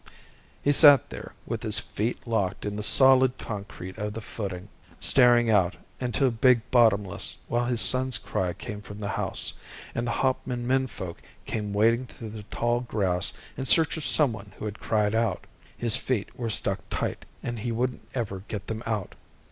He sat there with his feet locked in the solid concrete of the footing, staring out into Big Bottomless while his son's cry came from the house and the Hauptman menfolk came wading through the tall grass in search of someone who had cried out. His feet were stuck tight, and he wouldn't ever get them out.